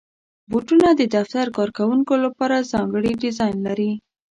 بوټونه د دفتر کارکوونکو لپاره ځانګړي ډیزاین لري.